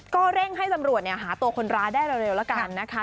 ก็เร่งให้ตำรวจหาตัวคนร้ายได้เร็วแล้วกันนะคะ